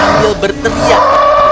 dia lari sambil berteriak